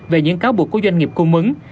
về những cáo buộc của doanh nghiệp cung mứng